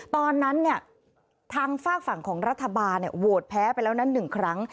ตอนนั้นทางฝากฝั่งของรัฐบาลโหวตแพ้ไปแล้วนั้น๑ครั้ง